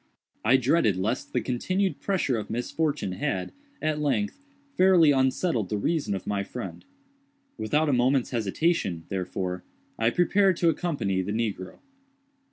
I dreaded lest the continued pressure of misfortune had, at length, fairly unsettled the reason of my friend. Without a moment's hesitation, therefore, I prepared to accompany the negro.